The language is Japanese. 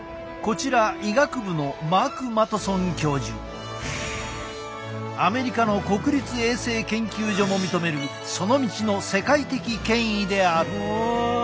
こちらアメリカの国立衛生研究所も認めるその道の世界的権威である！